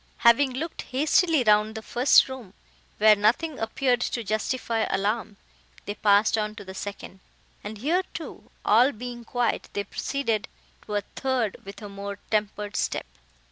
Having looked hastily round the first room, where nothing appeared to justify alarm, they passed on to the second; and, here too all being quiet, they proceeded to a third with a more tempered step.